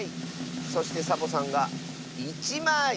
そしてサボさんが１まい！